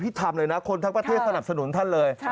ทำเลยนะคนทั้งประเทศสนับสนุนท่านเลย